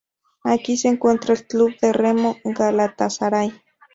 Aquí se encuentra el club de remo Galatasaray.